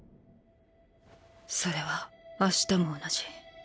それは明日も同じ。